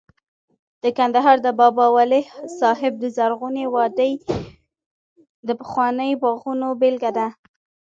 د کندهار د بابا ولی صاحب د زرغونې وادۍ د پخوانیو باغونو بېلګه ده